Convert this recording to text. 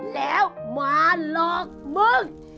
แล้วมาหลอกมึง